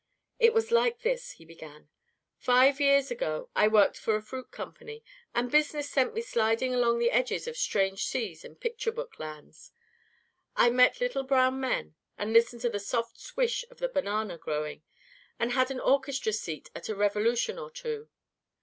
"It was like this," he began. "Five years ago I worked for a fruit company, and business sent me sliding along the edges of strange seas and picture book lands. I met little brown men, and listened to the soft swish of the banana growing, and had an orchestra seat at a revolution or two.